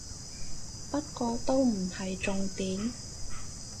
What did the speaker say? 不過都唔係重點